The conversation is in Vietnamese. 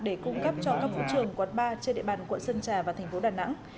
để cung cấp cho các vụ trường quận ba trên địa bàn quận sơn trà và tp đà nẵng